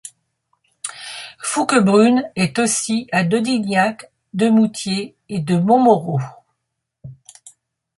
Fouquebrune est aussi à de Dignac, de Mouthiers et de Montmoreau.